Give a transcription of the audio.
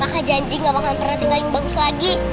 maka janji gak bakalan pernah tinggalin bagus lagi